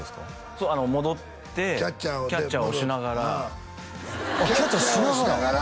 そう戻ってキャッチャーをしながらあっキャッチャーしながら？